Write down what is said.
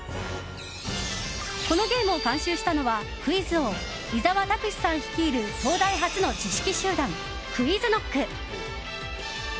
このゲームを監修したのはクイズ王・伊沢拓司さん率いる東大発の知識集団ＱｕｉｚＫｎｏｃｋ。